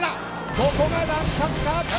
ここが難関か。